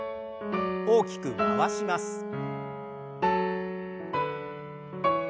大きく回します。